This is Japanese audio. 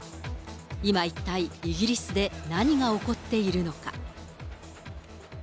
今、一体イギリスで何が起こっているのか。